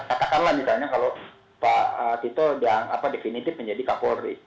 katakanlah misalnya kalau pak tito definitif menjadi kapolri